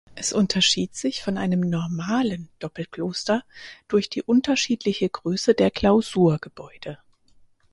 Es unterschied sich von einem "normalen" Doppelkloster durch die unterschiedliche Größe der Klausurgebäude.